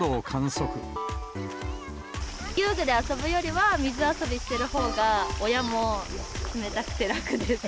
遊具で遊ぶよりは、水遊びしてるほうが、親も冷たくて楽です。